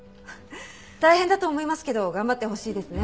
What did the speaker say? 大変だと思いますけど頑張ってほしいですね。